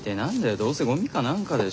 どうせゴミか何かでしょ。